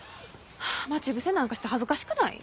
待ち伏せなんかして恥ずかしくない？